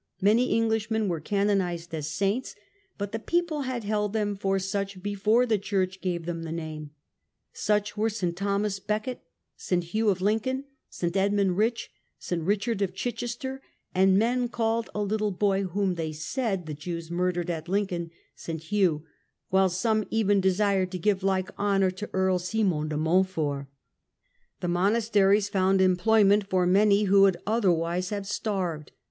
Many Englishmen were canonized as saints, but the people had held them for such before the church gave them the name. Such were S. Thomas Becket, S. Hugh of Lincoln, S. Edmund Rich, S. Richard of Chichester; and men called a little boy, whom they said the Jews murdered at Lincoln, *S. Hugh*, while some even desired to give like honour to Earl Simon de Montfort. The monasteries found employment for many who would otherwise have starved.